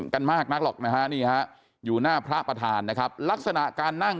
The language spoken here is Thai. กันมากนักหรอกนะฮะนี่ฮะอยู่หน้าพระประธานนะครับลักษณะการนั่ง